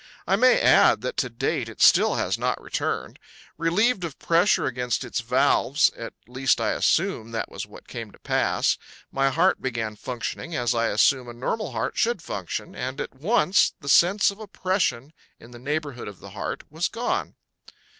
I may add that to date it still has not returned. Relieved of pressure against its valves at least I assume that was what came to pass my heart began functioning as I assume a normal heart should function, and at once the sense of oppression in the neighborhood of the heart was gone.